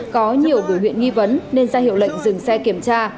có nhiều biểu hiện nghi vấn nên ra hiệu lệnh dừng xe kiểm tra